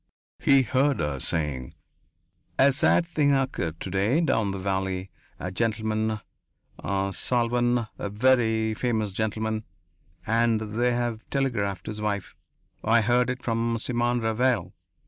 He heard her saying: "A sad thing occurred to day down the valley. A gentleman.... Salvan ... a very famous gentleman.... And they have telegraphed his wife.... I heard it from Simon Ravanel....